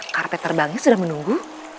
karpet terbangnya sudah menunggu